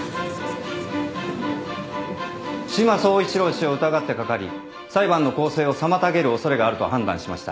志摩総一郎氏を疑ってかかり裁判の公正を妨げる恐れがあると判断しました。